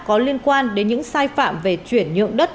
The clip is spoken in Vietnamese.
có liên quan đến những sai phạm về chuyển nhượng đất